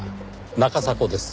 中迫です。